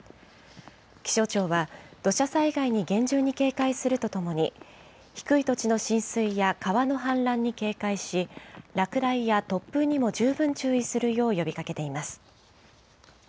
気象庁は、土砂災害に厳重に警戒するとともに、低い土地の浸水や川の氾濫に警戒し、落雷や突風にも十分注意するよう呼びかけています。